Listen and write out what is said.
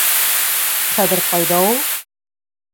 Хәҙер ҡайҙа ул?